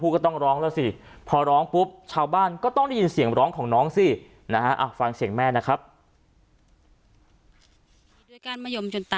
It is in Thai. เข้าบ้านก็ต้องได้ยินเสียงร้องของน้องสินะฮะฟังเสียงแม่นะครับ